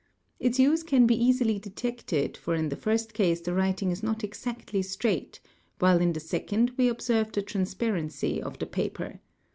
Its use can be easily detected, for in the first case the writing is not exactly straight while in the second we observe the transparency of the paper.